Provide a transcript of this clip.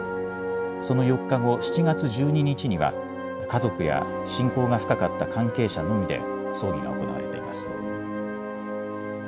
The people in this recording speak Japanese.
その４日後、７月１２日には、家族や親交が深かった関係者のみで葬儀が行われています。